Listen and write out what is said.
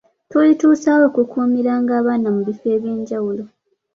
Tulituusa wa okukuumiranga abaana mu bifo eby'enjawulo?